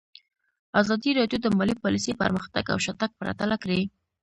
ازادي راډیو د مالي پالیسي پرمختګ او شاتګ پرتله کړی.